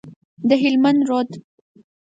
د هلمند رود،